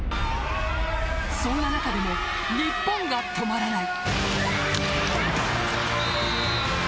そんな中でも日本が止まらない。